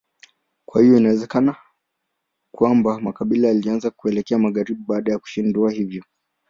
Kwa hiyo inawezekana kwamba makabila yalianza kuelekea magharibi baada ya kushindwa hivyo.